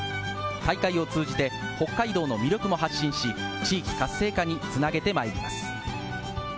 大会を通じて北海道の魅力を発信し、地域活性化に繋げてまいります。